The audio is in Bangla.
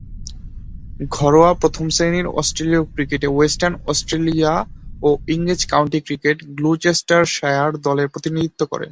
ঘরোয়া প্রথম-শ্রেণীর অস্ট্রেলীয় ক্রিকেটে ওয়েস্টার্ন অস্ট্রেলিয়া ও ইংরেজ কাউন্টি ক্রিকেটে গ্লুচেস্টারশায়ার দলের প্রতিনিধিত্ব করেন।